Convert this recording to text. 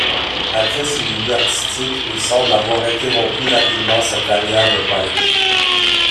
Après ces débuts artistiques, il semble avoir interrompu rapidement sa carrière de peintre.